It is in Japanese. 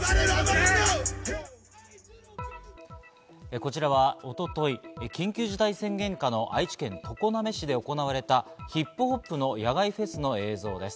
こちらは一昨日、緊急事態宣言下の愛知県常滑市で行われたヒップホップの野外フェスの映像です。